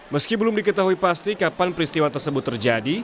meski belum diketahui pasti kapan peristiwa tersebut terjadi